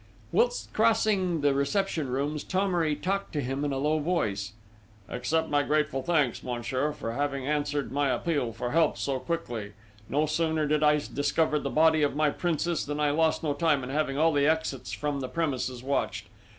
Whilst crossing the reception rooms Thomery talked to him in a low voice: "Accept my grateful thanks, Monsieur, for having answered my appeal for help so quickly. No sooner did I discover the body of my Princess than I lost no time in having all the exits from the premises watched.